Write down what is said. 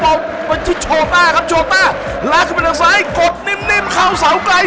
บอลยาวมาชิกโชต้าครับโชต้าล็ากขึ้นไปทางซ้ายกดนิ่มนิ่งเขาเสาร์ไกร